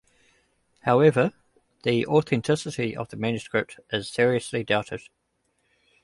However, the authenticity of the manuscript is seriously doubted.